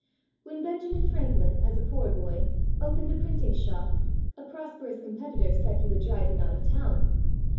When Benjamin Franklin, as a poor boy, opened a printing shop, a prosperous com petitor said he would drive him out of town.